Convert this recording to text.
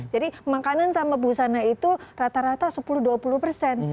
jadi makanan sama busana itu rata rata sepuluh dua puluh persen